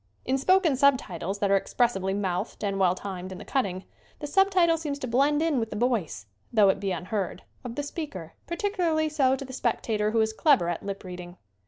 In spoken sub titles that are expressively mouthed and well timed in the cutting, the sub title seems to blend in with the voice though it be unheard of the speaker, particularly so to the spectator who is clever at lip reading.